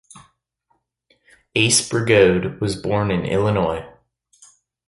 Ace Brigode was born in Illinois.